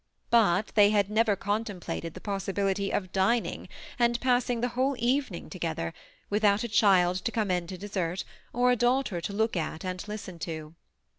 But they had never contem plated the possibility of dining and passing the whole evening together, without a child to come in to dessert, or a daughter to look at and listen to.